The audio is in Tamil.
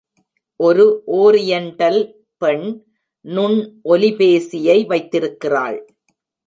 ஒரு ஓரியண்டல் பெண் நுண் ஒலிபேசியை வைத்திருக்கிறாள்.